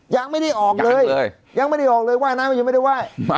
ยังไม่ได้ออกเลยยังไม่ได้ออกเลยว่ายน้ำก็ยังไม่ได้ไหว้